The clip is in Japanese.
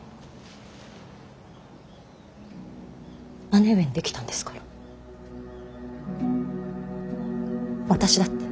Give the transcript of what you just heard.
姉上にできたんですから私だって。